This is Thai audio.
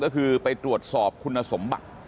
ก็คือไปตรวจสอบคุณสมบัติ